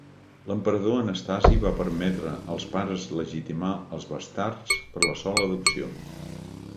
L'emperador Anastasi va permetre als pares legitimar els bastards per la sola adopció.